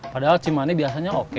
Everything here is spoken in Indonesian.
padahal cimande biasanya oke